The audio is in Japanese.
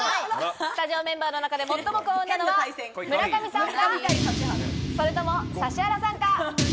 スタジオメンバーの中で最も幸運なのは村上さんか、それとも指原さんか。